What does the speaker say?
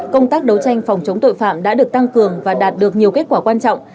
công tác đấu tranh phòng chống tội phạm đã được tăng cường và đạt được nhiều kết quả quan trọng